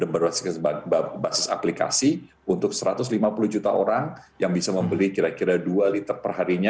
berbasis aplikasi untuk satu ratus lima puluh juta orang yang bisa membeli kira kira dua liter perharinya